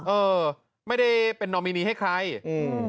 เออไม่ได้เป็นนอมินีให้ใครอืม